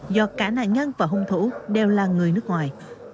do cả nạn nhân và hung thủ đều là người nước ngoài